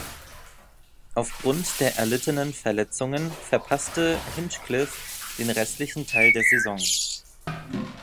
Aufgrund der erlittenen Verletzungen verpasste Hinchcliffe den restlichen Teil der Saison.